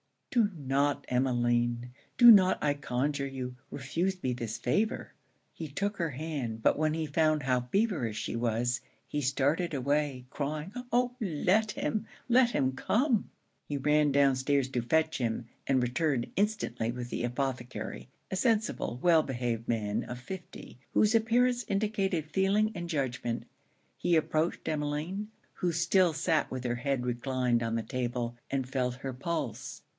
'Do not, Emmeline do not, I conjure you, refuse me this favour?' He took her hand; but when he found how feverish she was, he started away, crying 'Oh! let him, let him come!' He ran down stairs to fetch him, and returned instantly with the apothecary; a sensible, well behaved man, of fifty, whose appearance indicated feeling and judgement. He approached Emmeline, who still sat with her head reclined on the table, and felt her pulse.